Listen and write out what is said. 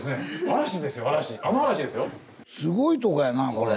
すごいとこやなこれ。